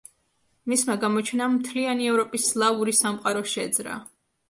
მისმა გამოჩენამ მთლიანი ევროპის სლავური სამყარო შეძრა.